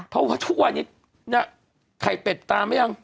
เพราะว่าทุกวันนี้ไข่เป็ดตามหรือยัง